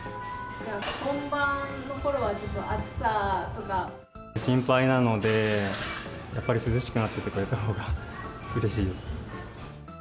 本番のころは暑さとか？心配なので、やっぱり涼しくなってくれたほうがうれしいですね。